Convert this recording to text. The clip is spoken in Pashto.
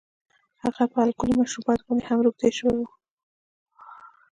هغه په الکولي مشروباتو باندې هم روږدی شوی و